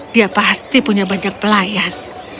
dia pasti punya banyak pelayan